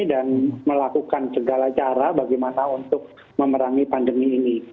dan melakukan segala cara bagaimana untuk memerangi pandemi ini